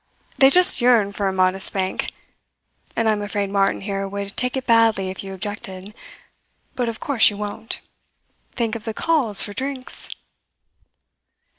They just yearn for a modest bank. And I am afraid Martin here would take it badly if you objected; but of course you won't. Think of the calls for drinks!"